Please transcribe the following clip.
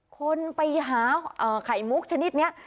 คนไปหาไข่มุกชนิดนี้